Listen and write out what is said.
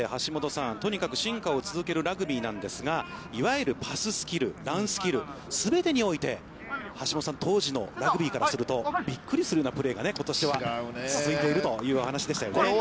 パス回しも含めて橋下さん、とにかく進化を続けるラグビーなんですが、いわゆるパススキル、ランスキル、全てにおいて橋下さん、当時のラグビーからするとびっくりするようなプレーがことしは続いていますね。